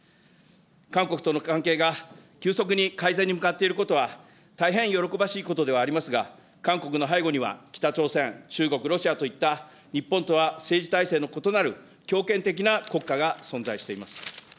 韓国との関係が急速に改善に向かっていることは大変喜ばしいことではありますが、韓国の背後には、北朝鮮、中国、ロシアといった日本とは政治体制の異なる強権的な国家が存在しています。